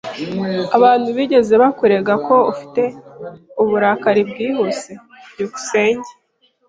Abantu bigeze bakurega ko ufite uburakari bwihuse? byukusenge